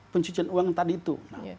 penciptaan uang tadi itu